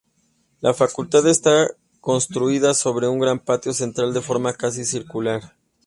La Facultad está construida sobre un gran patio central de forma casi circular.